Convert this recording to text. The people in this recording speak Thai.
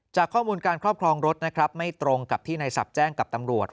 ข้อมูลการครอบครองรถนะครับไม่ตรงกับที่ในศัพท์แจ้งกับตำรวจ